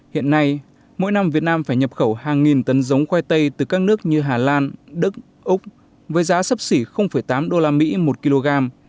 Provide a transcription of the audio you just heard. hiện nay mỗi năm việt nam phải nhập khẩu hàng nghìn tấn giống khoai tây từ các nước như hà lan đức úc với giá sấp xỉ tám usd một kg